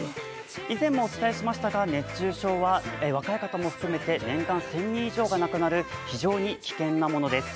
以前もお伝えしましたが、熱中症は若い方も含めて年間１０００人以上が亡くなる非常に危険なものです。